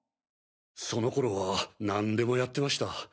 その頃はなんでもやってました。